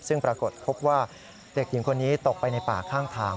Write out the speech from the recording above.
ซึ่งปรากฏพบว่าเด็กหญิงคนนี้ตกไปในป่าข้างทาง